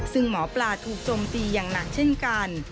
ซึ่งหมอปลาถูกจมตีอย่างหนักเช่นกัน